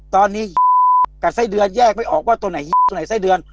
ตอนนี้กับไส้เดือนแยกไม่ออกว่าตัวไหนตัวไหนไส้เดือน